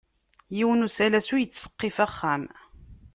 Yiwen usalas ur ittseqqif axxam.